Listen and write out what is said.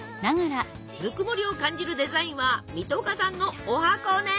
ぬくもりを感じるデザインは水戸岡さんのおはこね！